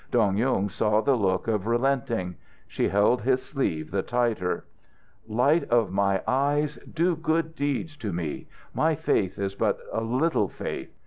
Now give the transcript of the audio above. Dong Yung saw the look of relenting. She held his sleeve the tighter. "Light of my Eyes, do good deeds to me. My faith is but a little faith.